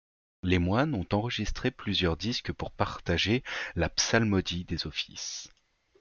Les moines ont enregistré plusieurs disques pour partager la psalmodie des offices.